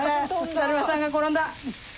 だるまさんが転んだ！